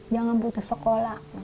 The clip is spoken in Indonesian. jangan putus sekolah